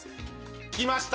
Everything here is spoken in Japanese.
きました。